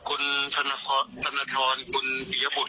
คุณธรรณาคทรคุณปียพุทธ